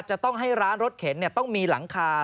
จะต้องให้ร้านรถเข็นต้องมีหลังคา